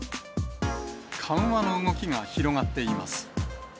緩和の動きが広がっています。